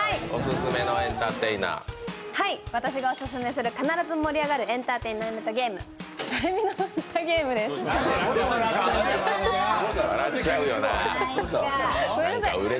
私がオススメする必ず盛り上がりエンターテインメントゲーム、笑っちゃうよな。